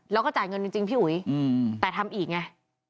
แล้วก็จ่ายเงินจริงพี่อุ๋ยแต่ทำอีกไง